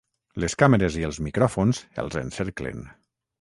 Les càmeres i els micròfons els encerclen.